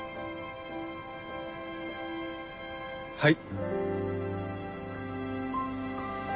はい。